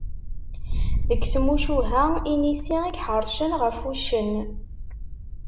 Deg tmucuha, inisi i iḥeṛcen ɣef uccen.